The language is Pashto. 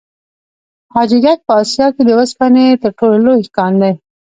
حاجي ګک په اسیا کې د وسپنې تر ټولو لوی کان دی.